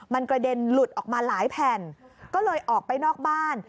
มันกระเด็นหลุดออกมาหลายแผ่นก็เลยออกไปนอกบ้าน